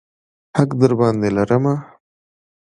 حق درباندې لرمه.